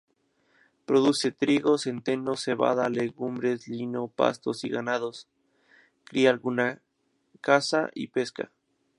Produce: trigo, centeno, cebada, legumbres, lino, pastos y ganados; cría alguna, caza y pesca.